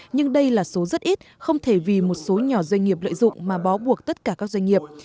nhưng đây là số rất ít không thể vì một số nhỏ doanh nghiệp lợi dụng mà bó buộc tất cả các doanh nghiệp